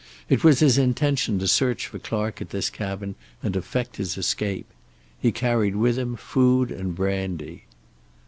It was his intention to search for Clark at this cabin and effect his escape. He carried with him food and brandy.